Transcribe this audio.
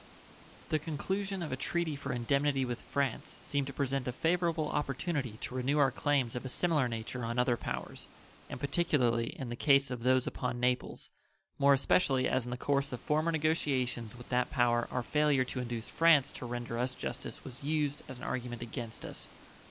The conclusion of a treaty for indemnity with France seemed to present a favorable opportunity to renew our claims of a similar nature on other powers, and particularly in the case of those upon Naples, more especially as in the course of former negotiations with that power our failure to induce France to render us justice was used as an argument against us.